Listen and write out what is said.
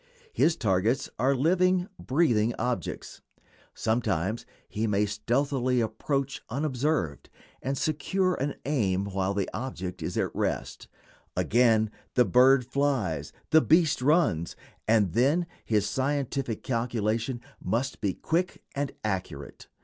His targets are living, breathing objects. Sometimes he may stealthily approach, unobserved, and secure an aim while the object is at rest; again, the bird flies, the beast runs, and then his scientific calculation must be quick and accurate.